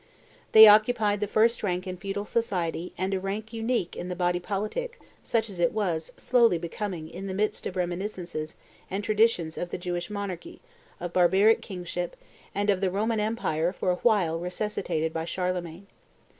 They occupied the first rank in feudal society and a rank unique in the body politic such as it was slowly becoming in the midst of reminiscences and traditions of the Jewish monarchy, of barbaric kingship, and of the Roman empire for a while resuscitated by Charlemagne.